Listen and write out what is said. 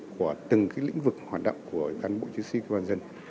của từng lĩnh vực hoạt động của cán bộ chiến sĩ cơ quan dân